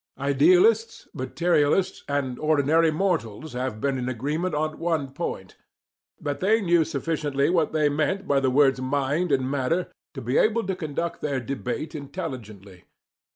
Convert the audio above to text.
Idealists, materialists, and ordinary mortals have been in agreement on one point: that they knew sufficiently what they meant by the words "mind" and "matter" to be able to conduct their debate intelligently.